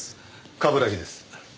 冠城です。